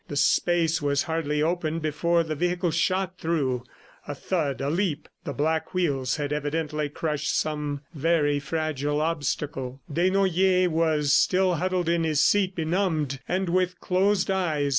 The space was hardly opened before the vehicle shot through ... a thud, a leap the back wheels had evidently crushed some very fragile obstacle. Desnoyers was still huddled in his seat, benumbed and with closed eyes.